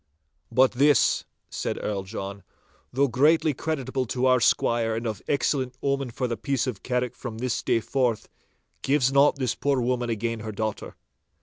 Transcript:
'But this,' said the Earl John, 'though greatly creditable to our squire and of excellent omen for the peace of Carrick from this day forth, gives not this poor woman again her daughter.